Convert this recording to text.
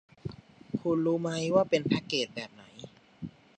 คุณรู้มั้ยว่าเป็นแพ็คเกจแบบไหน